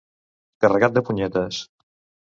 Carregat de punyetes.